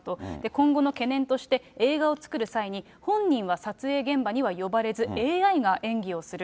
今後の懸念として、映画を作る際に、本人は撮影現場には呼ばれず、ＡＩが演技をする。